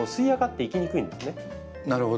なるほど。